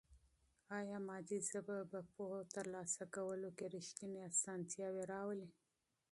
آیا مادي ژبه په پوهه ترلاسه کولو کې رښتینې اسانتیا راولي؟